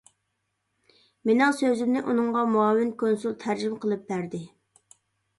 مېنىڭ سۆزۈمنى ئۇنىڭغا مۇئاۋىن كونسۇل تەرجىمە قىلىپ بەردى.